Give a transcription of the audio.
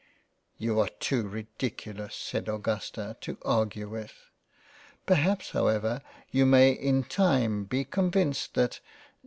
" You are too ridiculous (said Augusta) to argue with ; perhaps however you may in time be convinced that